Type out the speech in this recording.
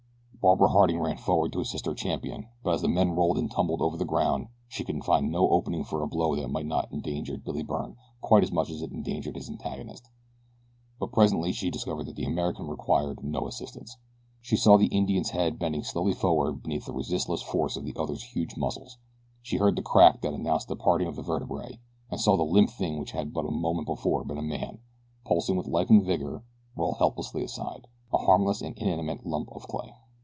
Barbara Harding ran forward to assist her champion but as the men rolled and tumbled over the ground she could find no opening for a blow that might not endanger Billy Byrne quite as much as it endangered his antagonist; but presently she discovered that the American required no assistance. She saw the Indian's head bending slowly forward beneath the resistless force of the other's huge muscles, she heard the crack that announced the parting of the vertebrae and saw the limp thing which had but a moment before been a man, pulsing with life and vigor, roll helplessly aside a harmless and inanimate lump of clay.